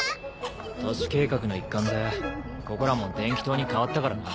都市計画の一環でここらも電気灯に変わったからな。